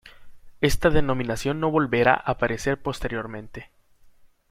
Esta denominación no volverá a aparecer posteriormente.